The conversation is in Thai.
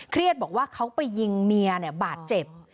เครียดบอกว่าเขาไปยิงเมียบาดเจ็บ